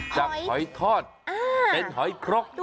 จากหอยทอดเป็นหอยครก